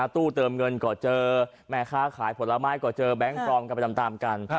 ตู้เติมเงินก็เจอแม่ค้าขายผลไม้ก็เจอแบงค์ปลอมกันไปตามกัน